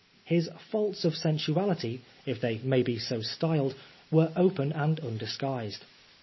His faults of sensuality, if they may so be styled, were open and undisguised.